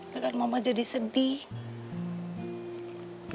ya kan mama jadi sedih